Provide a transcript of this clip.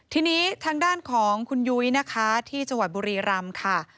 ทีนี้ทางด้านของคุณยุ้ยนะคะที่จังหวัดบุรีรำค่ะ